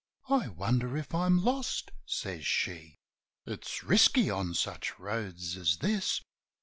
"I wonder if I'm lost?" says she. "It's risky on such roads as this."